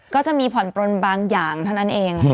ก็จะมีผ่อนปลนบางอย่างเท่านั้นเอง